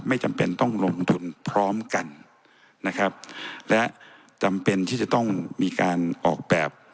จำเป็นต้องลงทุนพร้อมกันนะครับและจำเป็นที่จะต้องมีการออกแบบ